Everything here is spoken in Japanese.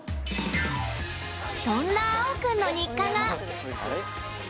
そんな、あお君の日課が。